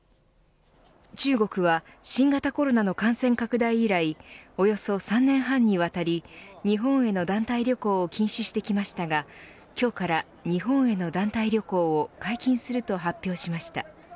中国は新型コロナの感染拡大以来およそ３年半にわたり日本への団体旅行を禁止してきましたが今日から日本への団体旅行を解禁すると発表しました。